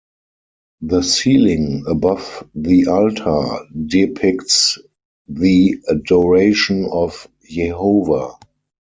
The ceiling above the altar depicts the "Adoration of Jehovah".